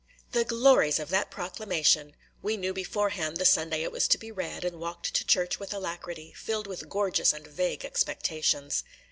The glories of that proclamation! We knew beforehand the Sunday it was to be read, and walked to church with alacrity, filled with gorgeous and vague expectations.